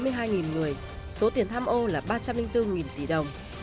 đây là vụ án có số tiền tham ô là ba trăm linh bốn tỷ đồng